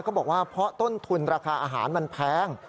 เขาบอกว่าเพราะต้นทุนราคาอาหารมันแพง